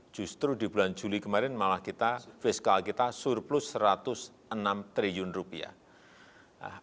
justru di bulan juli kemarin malah kita fiskal kita surplus satu ratus enam triliun rupiah